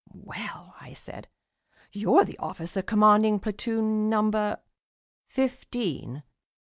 "Well," I said, "you're the officer commanding platoon number " "Fifteen."